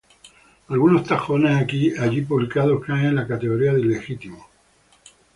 Algunos taxones allí publicados caen en la categoría de ilegítimos, v.g.